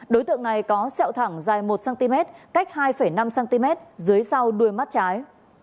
đối tượng này có sẹo thẳng dài một cm cách hai năm cm dưới sau đuôi mắt trái